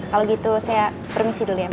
kalau gitu saya permisi dulu ya